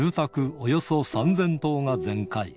およそ３０００棟が全壊。